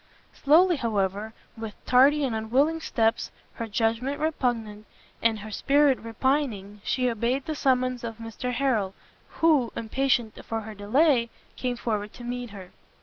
Slowly however, with tardy and unwilling steps, her judgment repugnant, and her spirit repining, she obeyed the summons of Mr Harrel, who, impatient of her delay, came forward to meet her.